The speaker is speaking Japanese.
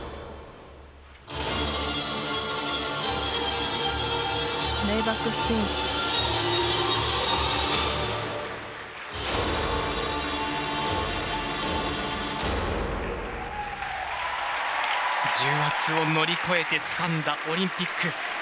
重圧を乗り越えてつかんだ、オリンピック。